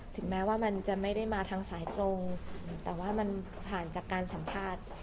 ถึงแม้ว่ามันจะไม่ได้มาทางสายตรงแต่ว่ามันผ่านจากการสัมภาษณ์